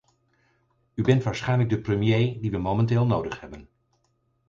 U bent waarschijnlijk de premier die we momenteel nodig hebben.